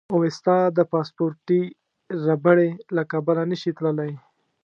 اوېستا د پاسپورتي ربړې له کبله نه شي تللی.